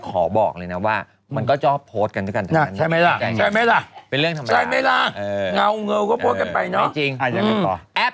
บอกเลยนะว่ามันก็ชอบโพสต์กันด้วยกันใช่ไหมล่ะใช่ไหมล่ะ